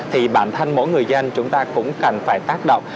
thì bản thân mỗi người dân chúng ta cũng cần phải tác động